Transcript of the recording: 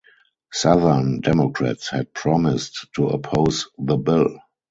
Southern Democrats had promised to oppose the bill.